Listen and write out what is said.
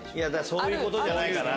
そういうことじゃないかな。